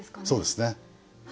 そうですね。